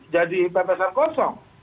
jadi pepesan kosong